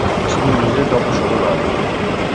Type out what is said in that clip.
Si dimise dopo solo un anno.